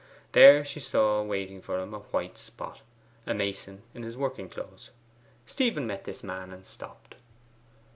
There she saw waiting for him a white spot a mason in his working clothes. Stephen met this man and stopped.